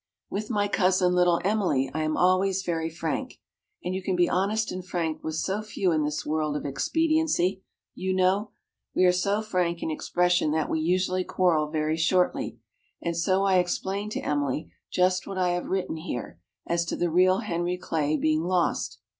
With my cousin, Little Emily, I am always very frank and you can be honest and frank with so few in this world of expediency, you know! We are so frank in expression that we usually quarrel very shortly. And so I explained to Emily just what I have written here, as to the real Henry Clay being lost.